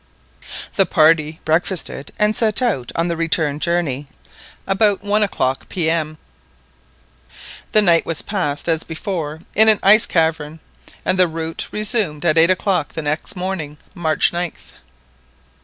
The party breakfasted and set out on the return journey about one o'clock P.M. The night was passed as before in an ice cavern, and the route resumed at eight o'clock the next morning, March 9th.